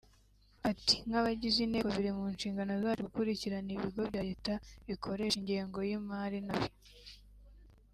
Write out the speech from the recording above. Ati “ Nk’abagize inteko biri mu nshingano zacu gukurikirana ibigo bya leta bikoresha ingengo y’imari nabi